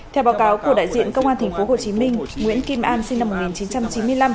theo báo cáo của đại diện công an tp hcm nguyễn kim an sinh năm một nghìn chín trăm chín mươi năm